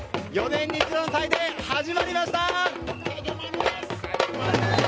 ４年に一度の祭典始まりました！